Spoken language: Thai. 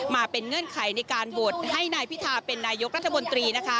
มาเป็นเงื่อนไขในการบวชให้นายพิธาริมเจริญรัฐเป็นนายกรัฐบนตรี